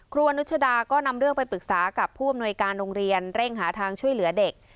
อนุชดาก็นำเรื่องไปปรึกษากับผู้อำนวยการโรงเรียนเร่งหาทางช่วยเหลือเด็ก